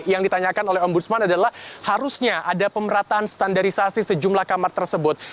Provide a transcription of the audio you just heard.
yang ditanyakan oleh ombudsman adalah harusnya ada pemerataan standarisasi sejumlah kamar tersebut